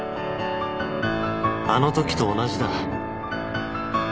あのときと同じだ